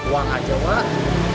uang aja wak